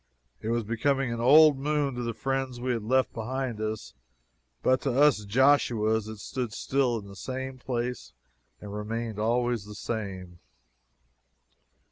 It was becoming an old moon to the friends we had left behind us, but to us Joshuas it stood still in the same place and remained always the same.